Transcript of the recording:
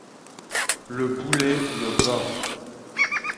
Le boulet me va!